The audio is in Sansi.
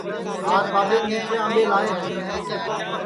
آج ٻاٻین میٹھے امٻے لاے ہے